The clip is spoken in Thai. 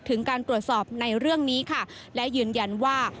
ถึงการตรวจสอบในเรื่องนี้ค่ะและยืนยันว่า